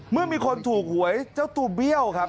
เมื่อมีคนถูกหวยเจ้าตัวเบี้ยวครับ